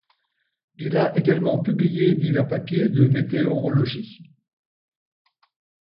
Il a également publié divers papiers de météorologie.